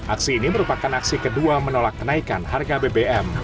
aksi ini merupakan aksi kedua menolak kenaikan harga bbm